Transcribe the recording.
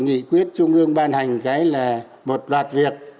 nghị quyết trung ương ban hành cái là một loạt việc